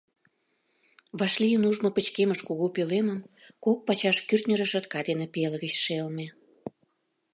...Вашлийын ужмо пычкемыш кугу пӧлемым кок пачаш кӱртньӧ решётка дене пелыгыч шелме.